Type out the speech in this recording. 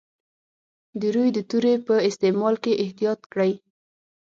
د روي د توري په استعمال کې احتیاط کړی.